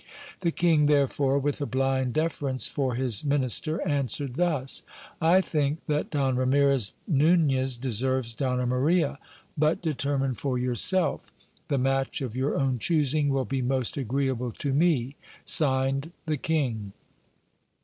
The king, therefore, with a blind deference for his minister, answered thus: "I think that Don Ramires Nunez deserves Donna Maria : but determine for yourself. The match of your own choosing will be most agreeable to me." (Signed) The King.